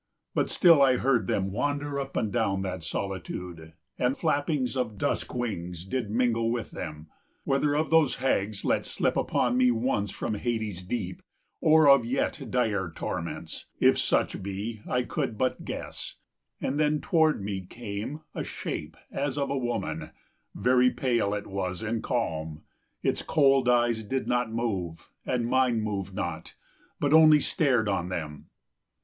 20 But still I heard them wander up and down That solitude, and flappings of dusk wings Did mingle with them, whether of those hags Let slip upon me once from Hades deep, Or of yet direr torments, if such be, 25 I could but guess; and then toward me came A shape as of a woman: very pale It was, and calm; its cold eyes did not move, And mine moved not, but only stared on them.